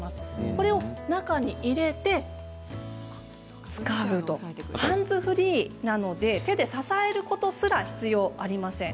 これを中に入れて使うハンズフリーなので手で支えることすら必要ありません。